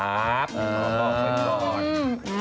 หรือบอกเมื่อก่อน